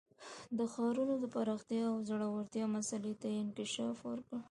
د ښارونو د پراختیا او ځوړتیا مسئلې ته یې انکشاف ورکړ